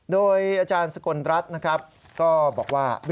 โดยอาจารย์สกลรัฐนะครับก็บอกว่า